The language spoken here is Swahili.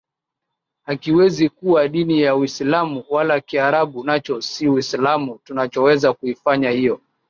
hakiwezi kuwa dini ya uislamu Wala Kiarabu nacho si uislamu Tunachoweza kuifanya hiyo